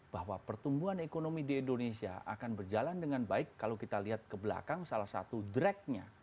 bahwa pertumbuhan ekonomi di indonesia akan berjalan dengan baik kalau kita lihat ke belakang salah satu dragnya